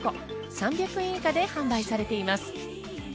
３００円以下で販売されています。